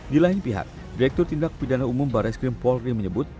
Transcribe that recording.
di lain pihak direktur tindak pidana umum barai skrim paul reem menyebut